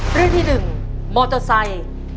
เรื่องที่๑มอเตอร์ไซค์